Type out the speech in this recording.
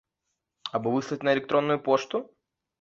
Або выслаць на электронную пошту.